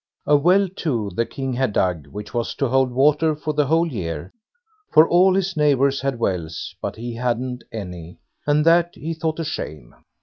A well, too, the King had dug, which was to hold water for the whole year; for all his neighbours had wells, but he hadn't any, and that he thought a shame.